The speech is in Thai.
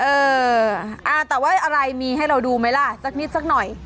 เอออ่าแต่ว่าอะไรมีให้เราดูไหมล่ะสักนิดสักหน่อย